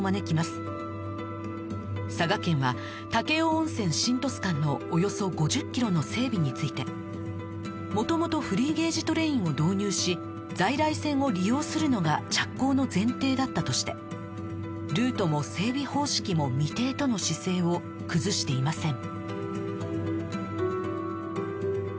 佐賀県は武雄温泉新鳥栖間のおよそ５０キロの整備についてもともとフリーゲージトレインを導入し在来線を利用するのが着工の前提だったとしてルートも整備方式も未定との姿勢を崩していません